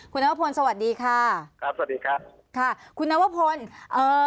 คุณนวพนสวัสดีค่ะสวัสดีครับค่ะ